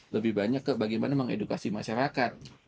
lebih banyak ke bagaimana mengedukasi masyarakat